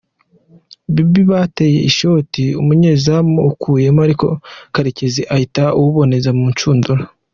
Baby yateye ishoti umunyezamu awukuyemo ariko Karekezi ahita awuboneza mu ncundura.